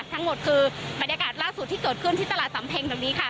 ทั้งหมดคือบรรยากาศล่าสุดที่เกิดขึ้นที่ตลาดสำเพ็งดังนี้ค่ะ